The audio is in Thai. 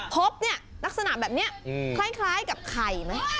พบลักษณะแบบนี้คล้ายกับไข่นะ